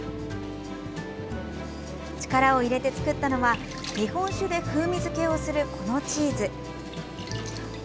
力を入れて作ったのは日本酒で風味付けをするこのチーズ。